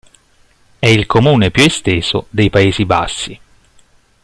È il comune più esteso dei Paesi Bassi.